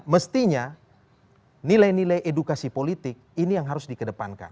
mestinya nilai nilai edukasi politik ini yang harus dikedepankan